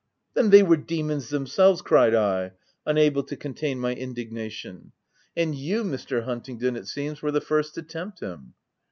" Then, they were demons themselves," cried I, unable to contain my indignation. " And you, OF WILDFELL HALL. 39 Mr. Huntingdon, it seems, were the first to tempt him."